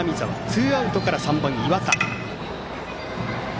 ツーアウトから３番、岩田。